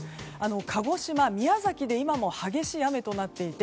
鹿児島、宮崎で今も激しい雨となっていて